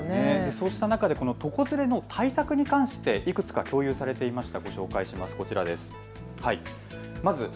そうした中で床ずれの対策に関していくつか共有されていました。